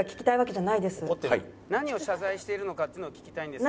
「何を謝罪しているのかっていうのを聞きたいんです」。